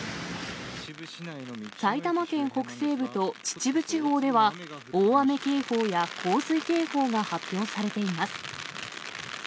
埼玉県北西部と秩父地方では、大雨警報や洪水警報が発表されています。